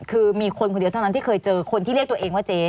คือมีคนคนเดียวเท่านั้นที่เคยเจอคนที่เรียกตัวเองว่าเจ๊